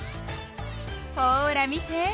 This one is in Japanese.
ほら見て。